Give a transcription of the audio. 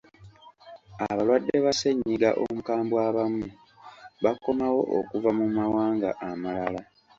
Abalwadde ba ssennyiga omukambwe abamu bakomawo okuva mu mawanga amalala.